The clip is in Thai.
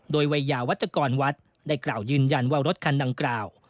โดยวัยยาวัชกรวัดได้กล่าวยืนยันว่ารถคันดังกล่าว